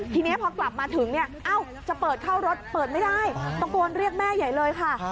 ทีนี้พอกลับมาถึงจะเปิดเข้ารถเปิดไม่ได้ต้องโกยเรียกแม่ใหญ่เลยค่ะ